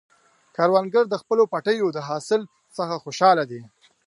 کروندګر د خپلو پټیو د حاصل څخه خوشحال دی